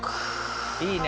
いいね